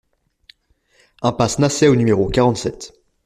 Impasse Naçay au numéro quarante-sept